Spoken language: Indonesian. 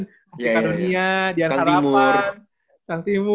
kasih karunia dian harapan sang timur